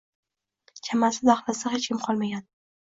Chamasi, dahlizda hech kim qolmagandi